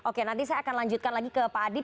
oke nanti saya akan lanjutkan lagi ke pak adi